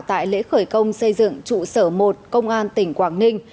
tại lễ khởi công xây dựng trụ sở một công an tỉnh quảng ninh